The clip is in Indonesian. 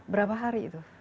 berapa hari itu